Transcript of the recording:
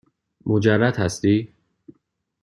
مجرد هستی؟